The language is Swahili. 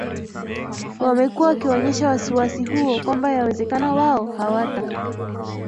wamekuwa wakionyesha wasiwasi huo kwamba yawezekana wao hawata